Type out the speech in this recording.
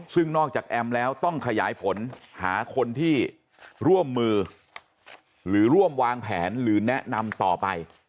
ซึ่งนอกจากแอมแล้วต้องขยายผลหาคนที่ร่วมมือหรือร่วมวางแผนหรือแนะนำต่อไป